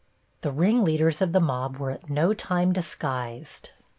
The ringleaders of the mob were at no time disguised.